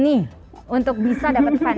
berapa album yang kamu beli selama itu